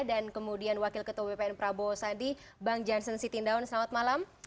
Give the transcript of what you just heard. dan kemudian wakil ketua wpn prabowo bang janssen sitindaun selamat malam